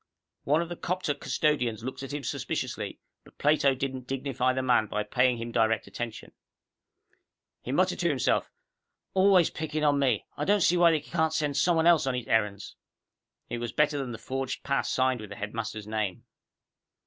One of the 'copter custodians looked at him suspiciously, but Plato didn't dignify the man by paying him direct attention. He muttered to himself, "Always picking on me. I don't see why he can't send somebody else on his errands." It was better than the forged pass signed with the headmaster's name.